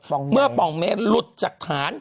ปองเมงเมื่อปองเมนรถจากฐาน